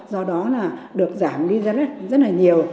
do đó là được giảm ghi rất là nhiều